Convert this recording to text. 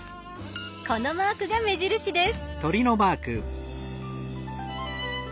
このマークが目印です。